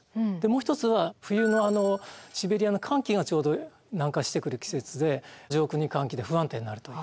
もう一つは冬のシベリアの寒気がちょうど南下してくる季節で上空に寒気で不安定になると。